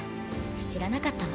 知らなかったわ。